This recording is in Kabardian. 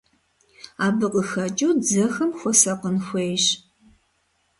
Абы къыхэкӀыу дзэхэм хуэсакъын хуейщ.